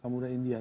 ke muda india